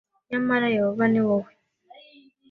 Nyamara Yehova ni wowe